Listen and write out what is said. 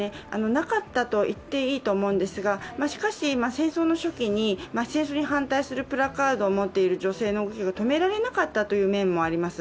なかったと言っていいと思うんですが、しかし、戦争の初期に戦争に反対するプラカードを持っている女性の動きが止められなかったという面もあります。